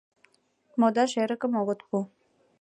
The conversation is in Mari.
Модаш эрыкым огыт пу.